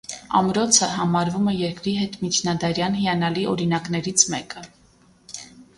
Ամրոցը համարվում է երկրի հետմիջնադարյան հիանալի օրինակներից մեկը։